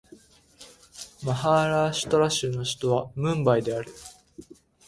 マハーラーシュトラ州の州都はムンバイである